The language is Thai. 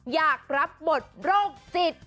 อยากรับบทโรคจิต